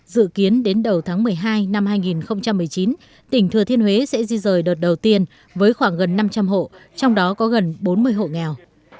dự kiến đến đầu tháng một mươi hai năm hai nghìn một mươi chín tỉnh thừa thiên huế sẽ di rời đợt đầu tiên với khoảng gần năm trăm linh hộ trong đó có gần bốn mươi hộ nghèo